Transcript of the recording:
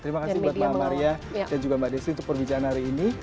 terima kasih buat mbak maria dan juga mbak desri untuk perbicaraan hari ini